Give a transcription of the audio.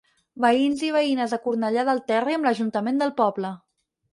Veïns i veïnes de Cornellà del Terri amb l'Ajuntament del poble.